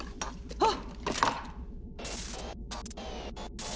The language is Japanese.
あっ！